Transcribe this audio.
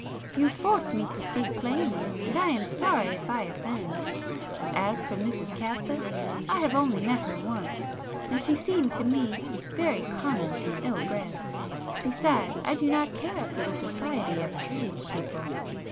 You force me to speak plainly, and I am sorry if I offend. As for Mrs Catsup, I have only met her once, and she seemed to me very common and ill bred. Besides I do not care for the society of tradespeople.